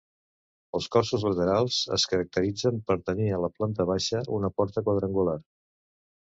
Els cossos laterals es caracteritzen per tenir a la planta baixa una porta quadrangular.